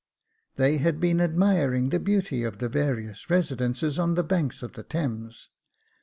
They had been admiring the beauty of the various residences on the banks of the Thames.